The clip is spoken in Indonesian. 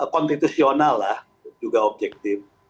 kontitusional lah juga objektif